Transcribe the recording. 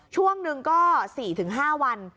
ช่วงหนึ่งก็๔๕วัน